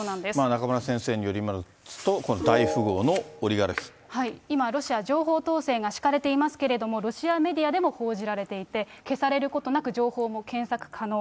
中村先生によりますと、今、ロシア、情報統制が敷かれていますけれども、ロシアメディアでも報じられていて、消されることなく情報も検索可能。